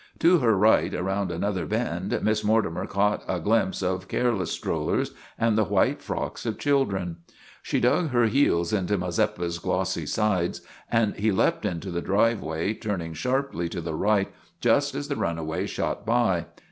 To her right, around another bend, Miss Morti mer caught a glimpse of careless strollers and the white frocks of children. 280 TOM SAWYER OF THE MOVIES She dug her heels into Mazeppa's glossy sides and he leapt into the driveway, turning sharply to the right just as the runaway shot by.